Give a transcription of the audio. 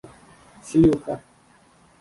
— Sheluxa!